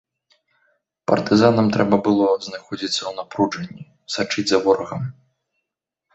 Партызанам трэба было знаходзіцца ў напружанні, сачыць за ворагам.